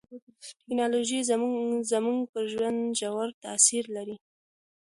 ټکنالوژي زموږ پر ژوند ژور تاثیر لري.